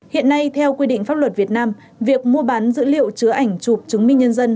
hiện nay theo quy định pháp luật việt nam việc mua bán dữ liệu chứa ảnh chụp chứng minh nhân dân